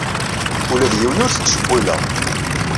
Ula d yiwen ur t-ttcewwileɣ.